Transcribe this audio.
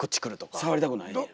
あ触りたくないねや。